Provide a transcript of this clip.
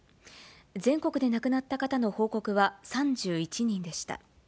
全国で亡くなった方の報告は３１人でした。